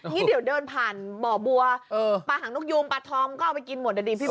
นี่เดี๋ยวเดินผ่านเบาะบัวปลาหังนกยูมปลาทอมก็เอาไปกินหมดดีพี่เบิ๊บ